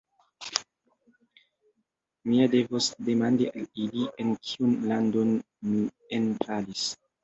Mi ja devos demandi al ili en kiun landon mi enfalis.